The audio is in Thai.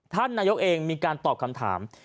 ท่านนายกเองมีการตอบคำถาม